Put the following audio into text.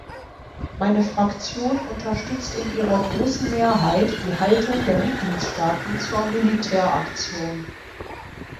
Meine Fraktion unterstützt in ihrer großen Mehrheit die Haltung der Mitgliedstaaten zur Militäraktion.